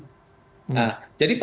jadi partai politik itu dan yang lainnya